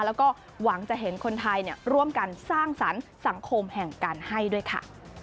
แล้วก็หวังจะเห็นคนไทยร่วมกันสร้างสรรค์สังคมแห่งการให้ด้วยค่ะ